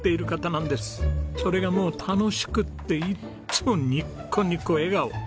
それがもう楽しくっていつもニッコニコ笑顔。